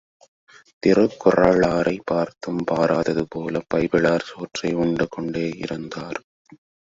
திருக்குறளாரைப் பார்த்தும் பாராதது போலப் பைபிளார் சோற்றை உண்டுகொண்டேயிருந்தார்.